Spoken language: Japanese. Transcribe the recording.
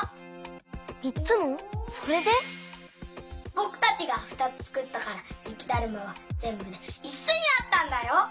ぼくたちがふたつつくったからゆきだるまはぜんぶでいつつになったんだよ。